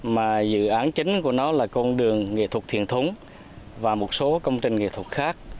mà dự án chính của nó là con đường nghệ thuật thiền thúng và một số công trình nghệ thuật khác